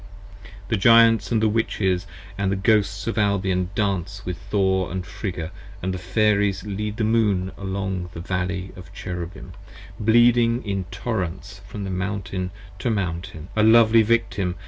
The Giants & the Witches & the Ghosts of Albion dance with Thor and Friga, & the Fairies lead the Moon along the Valley of Cherubim, 15 Bleeding in torrents from Mountain to Mountain, a lovely Victim.